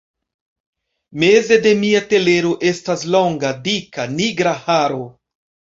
Meze de mia telero estas longa, dika, nigra haro!